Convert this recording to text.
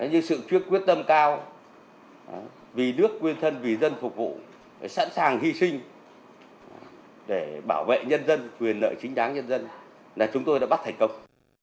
như sự quyết tâm cao vì nước quyên thân vì dân phục vụ sẵn sàng hy sinh để bảo vệ nhân dân quyền nợ chính đáng nhân dân là chúng tôi đã bắt thành công